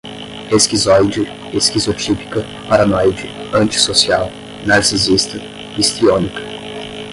esquizoide, esquizotípica, paranoide, antissocial, narcisista, histriônica